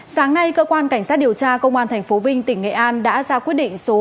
sáng nay cơ quan cảnh sát điều tra công an tp vinh tỉnh nghệ an đã ra quyết định số hai trăm bảy mươi hai